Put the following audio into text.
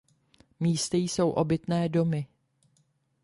Místy jsou obytné domy.